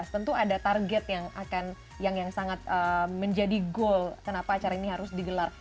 tentu ada target yang sangat menjadi goal kenapa acara ini harus digelar